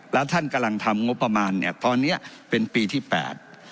แล้วท่านกำลังทำงบประมาณเนี่ยตอนเนี้ยเป็นปีที่แปด